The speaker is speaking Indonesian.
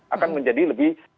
akan menjadi lebih memungkinkan